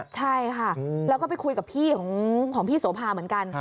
ใช่ค่ะแล้วก็ไปคุยกับพี่ของพี่โสภาเหมือนกัน